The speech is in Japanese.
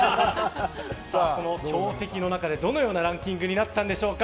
そんな強敵の中でどのようなランキングになったんでしょうか。